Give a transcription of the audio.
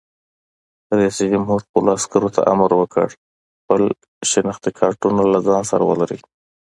رئیس جمهور خپلو عسکرو ته امر وکړ؛ خپل شناختي کارتونه له ځان سره ولرئ!